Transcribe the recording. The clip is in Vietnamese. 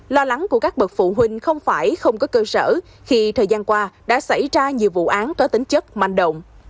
lo lắng của các bậc phụ huynh không phải không có cơ sở khi thời gian qua đã xảy ra nhiều vụ án tỏa tính chất manh động